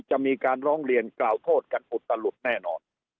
จะมีการร้องเรียนกล่าวโทษกันอุตลุดแน่นอน